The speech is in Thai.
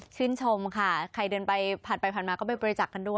ชื่นชมค่ะใครเดินผ่านไปผ่านมาก็ไปบริจากนั้นค่ะ